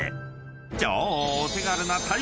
［超お手軽な］